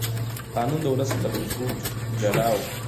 قانون د ولس له کلتوره جلا و.